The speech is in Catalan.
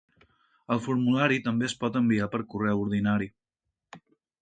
El formulari també es pot enviar per correu ordinari.